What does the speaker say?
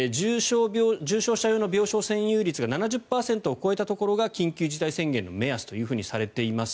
重症者用の病床占有率が７０％を超えたところが緊急事態宣言の目安というふうにされています。